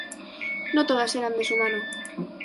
No todas eran de su mano.